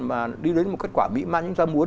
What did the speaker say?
mà đi đến một kết quả mỹ ma chúng ta muốn